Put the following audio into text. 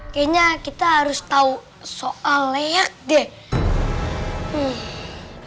kayaknya kita harus tahu soal leak deh